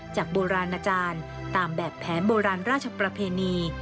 จากโบราณอาจารย์ตามแบบแผนโบราณราชประเพณี